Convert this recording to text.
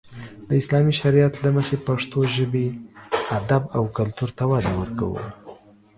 د اسلامي شريعت له مخې پښتو ژبې، ادب او کلتور ته وده ورکو.